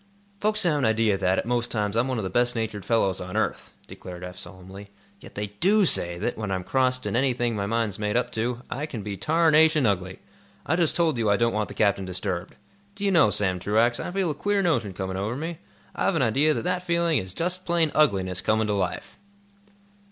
"Folks have an idea that, at most times, I'm one of the best natured fellows on earth," declared Eph, solemnly. "Yet they do say that, when I'm crossed in anything my mind's made up to, I can be tarnation ugly. I just told you I don't want the captain disturbed. Do you know, Sam Truax, I feel a queer notion coming over me? I've an idea that that feeling is just plain ugliness coming to life!"